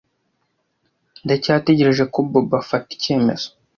Ndacyategereje ko Bobo afata icyemezo.